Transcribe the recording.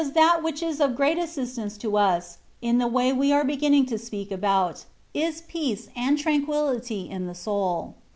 103 tliat wliich is of great assistance to us^ in the way we are beginning to speak about^ is peace and tranquillity in the soul.